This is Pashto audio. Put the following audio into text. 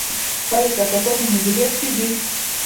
آیا د کثافاتو مدیریت کیږي؟